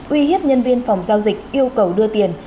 uy hiếp nhân viên phòng giao dịch yêu cầu đưa tiền